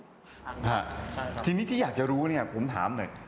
อ่าทีนี้ที่อยากจะรู้เนี่ยผมถามหน่อย